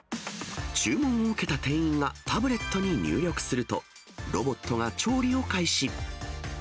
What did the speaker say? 注文を受けた店員がタブレットに入力すると、ロボットが調理を開始。